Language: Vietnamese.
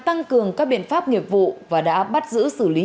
tăng cường các biện pháp nghiệp vụ và đã bắt giữ xử lý